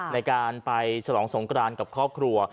ในการไปฉลองสงกรานกับครอบครัว